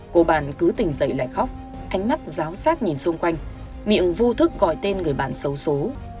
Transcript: cô bạn cứ tình dậy lại khóc ánh mắt giáo sát nhìn xung quanh miệng vô thức gọi tên người bạn xấu xố